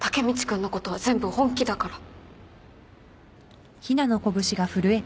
君のことは全部本気だから。